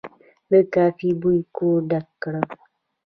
د کافي بوی کور ډک کړ.